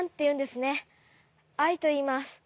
アイといいます。